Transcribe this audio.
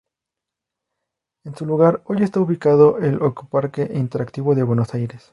En su lugar hoy está ubicado el Ecoparque Interactivo de Buenos Aires.